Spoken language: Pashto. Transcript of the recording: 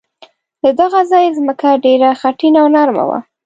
د دغه ځای ځمکه ډېره خټینه او نرمه وه.